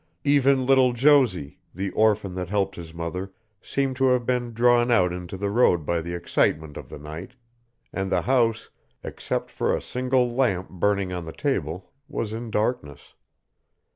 Even little Josie, the orphan that helped his mother, seemed to have been drawn out into the road by the excitement of the night, and the house, except for a single lamp burning on the table, was in darkness.